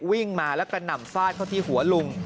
วิ่งมาแล้วกระหน่ำฟาดเข้าที่หัวลุง